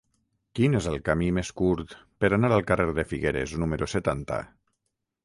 Quin és el camí més curt per anar al carrer de Figueres número setanta?